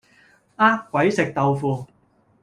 呃鬼食豆腐